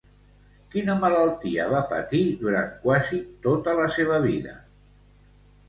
Quina malaltia va patir durant quasi tota la seva vida?